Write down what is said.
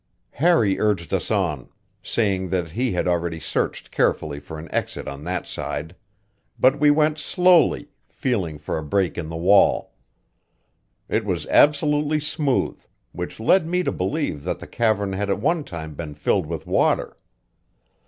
Harry urged us on, saying that he had already searched carefully for an exit on that side, but we went slowly, feeling for a break in the wall. It was absolutely smooth, which led me to believe that the cavern had at one time been filled with water.